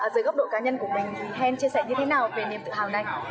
giới góc độ cá nhân của mình thì hèn chia sẻ như thế nào về niềm tự hào này